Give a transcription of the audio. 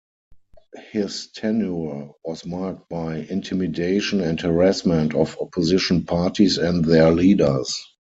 His tenure was marked by intimidation and harassment of opposition parties and their leaders.